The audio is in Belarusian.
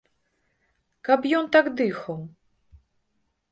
Каб ён так дыхаў!